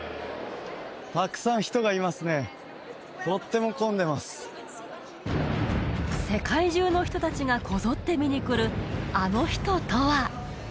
たくさん人がいますねとっても混んでます世界中の人達がこぞって見に来るあの人とは？